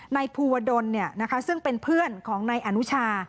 นายภูวดลซึ่งเป็นเพื่อนของนายอนุชา